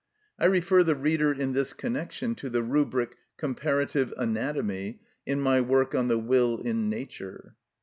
I refer the reader in this connection to the rubric, "Comparative Anatomy," in my work on the Will in Nature.